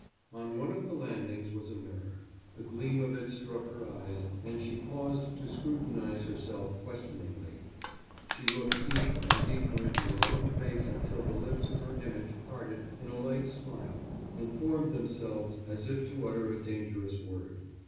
On one of the landings was a mirror. The gleam of it struck her eyes, and she paused to scrutinize herself questioningly. She looked deeper and deeper into her own face until the lips of her image parted in a light smile and formed themselves as if to utter a dangerous word.